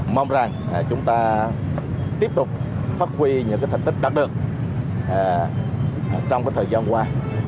mong rằng chúng ta tiếp tục phát huy những thành tích đạt được trong thời gian qua